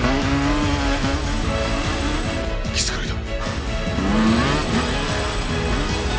気づかれた！